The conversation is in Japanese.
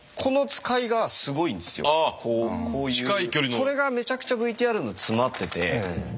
それがめちゃくちゃＶＴＲの詰まってて。